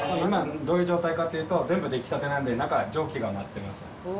今どういう状態かというと全部出来たてなんで中蒸気が上がってます。